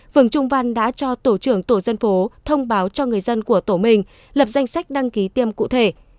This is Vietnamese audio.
phường trung văn đã cho tổ trưởng tổ dân phố thông báo cho người dân của tổ mình lập danh sách đăng ký tiêm cụ thể